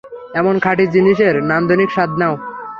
এমন খাঁটি জিনিসের নান্দনিক স্বাদ নাও।